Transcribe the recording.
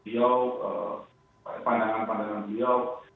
jadi pandangan pandangan dia